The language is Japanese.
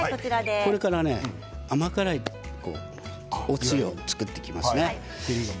甘辛いおつゆを作っていきますね。